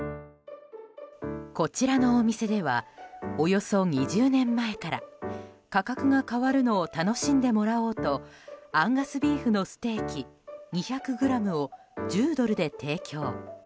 こちらのお店ではおよそ２０年前から価格が変わるのを楽しんでもらおうとアンガスビーフのステーキ２００ｇを１０ドルで提供。